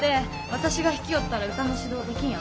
私が弾きよったら歌の指導できんやろ？